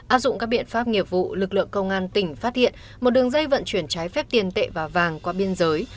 áp dụng các biện pháp nghiệp vụ lực lượng công an tỉnh phát hiện một đường dây vận chuyển trái phép tiền tệ và vàng qua biên giới